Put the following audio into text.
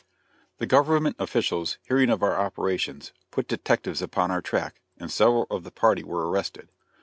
The government officials hearing of our operations, put detectives upon our track, and several of the party were arrested.